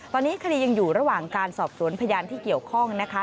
ตอนนี้คดียังอยู่ระหว่างการสอบสวนพยานที่เกี่ยวข้องนะคะ